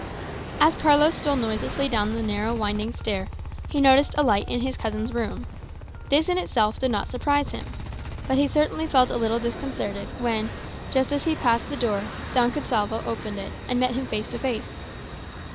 As Carlos stole noiselessly down the narrow winding stair, he noticed a light in his cousin's room. This in itself did not surprise him. But he certainly felt a little disconcerted when, just as he passed the door, Don Gonsalvo opened it, and met him face to face.